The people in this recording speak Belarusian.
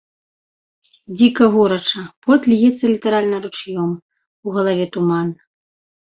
Дзіка горача, пот льецца літаральна ручаём, у галаве туман.